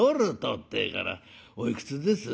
ってえから「おいくつです？」。